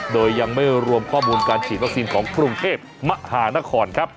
โดยยังไม่รวมข้อมูลการฉีดวัคซีนของกรุงเทพมหานครครับ